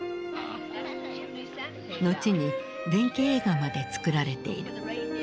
後に伝記映画まで作られている。